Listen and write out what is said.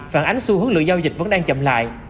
phản ánh xu hướng lượng giao dịch vẫn đang chậm lại